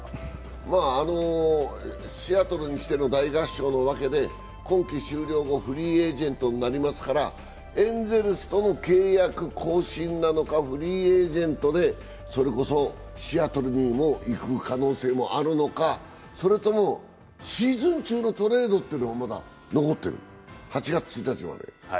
シアトルに来ての大合唱のわけで今季終了後、フリーエージェントになりますからエンゼルスとの契約更新なのかフリーエージェントでそれこそシアトルにも行く可能性もあるのか、それともシーズン中のトレードってのも、まだ残ってる、８月１日まで。